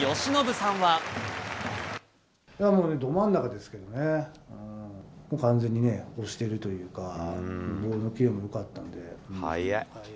いや、もうね、ど真ん中ですけどね、完全に押してるというか、ボールのキレもよかったので。